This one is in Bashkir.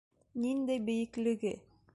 Ниндәй бейеклеге?